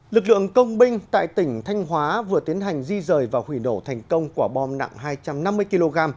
lực lượng công binh tại tỉnh thanh hóa vừa tiến hành di rời và hủy nổ thành công quả bom nặng hai trăm năm mươi kg